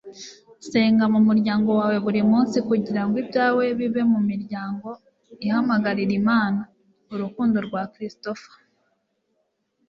senga mu muryango wawe buri munsi, kugira ngo ibyawe bibe mu miryango ihamagarira imana. - urukundo rwa christopher